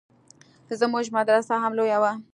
زموږ مدرسه هم لويه وه.